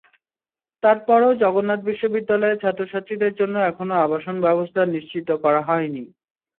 তারপরও জগন্নাথ বিশ্ববিদ্যালয়ের ছাত্রছাত্রীদের জন্য এখনো আবাসন ব্যবস্থা নিশ্চিত করা হয়নি।